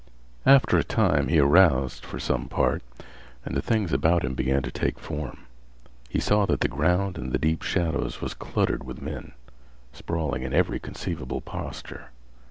After a time he aroused, for some part, and the things about him began to take form. He saw that the ground in the deep shadows was cluttered with men, sprawling in every conceivable posture.